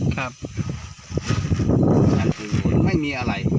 ฉันอยู่ฝนไม่มีอะไร